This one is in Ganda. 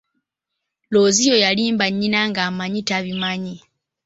Looziyo yalimba nnyina ng'amanyi tabimanyi.